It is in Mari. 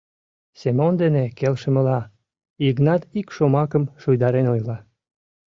— Семон дене келшымыла, Йыгнат ик шомакым шуйдарен ойла.